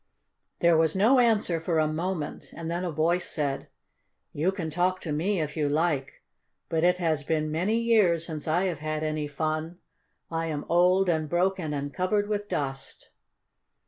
There was no answer for a moment, and then a voice said: "You can talk to me, if you like, but it has been many years since I have had any fun. I am old and broken and covered with dust."